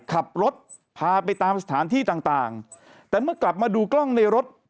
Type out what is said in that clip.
ขับรถพาไปตามสถานที่ต่างต่างแต่เมื่อกลับมาดูกล้องในรถ